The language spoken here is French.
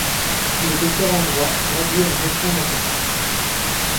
Il est docteur en droit, gradué en gestion d'entreprises.